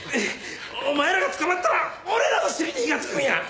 お前らが捕まったら俺らの尻に火がつくんや！